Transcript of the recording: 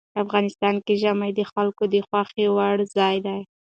افغانستان کې ژمی د خلکو د خوښې وړ ځای دی.